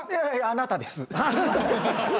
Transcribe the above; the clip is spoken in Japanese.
あなたです。